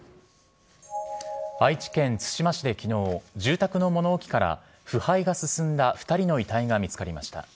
愛知県津島市で昨日、住宅の物置から腐敗が進んだ２人の遺体が見つかりました。